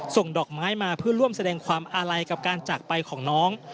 ส่งดอกไม้มาเพื่อร่วมแสดงความอาลัยกับการจากไปของน้อง